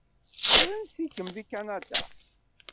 Seg wansi-kem deg Kanada?